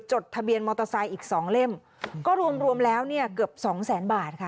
จดทะเบียนมอเตอร์ไซค์อีกสองเล่มก็รวมรวมแล้วเนี่ยเกือบสองแสนบาทค่ะ